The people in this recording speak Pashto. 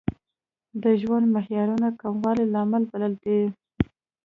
د ژوند معیارونو کموالی لامل بللی دی.